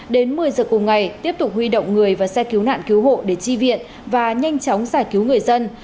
đến một mươi giờ cùng ngày tiếp tục huy động người và xe cứu nạn cứu hộ để chi viện và nhanh chóng giải cứu người dân